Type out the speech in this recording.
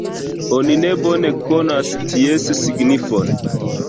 Oni ne bone konas ties signifon.